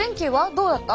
どうだった？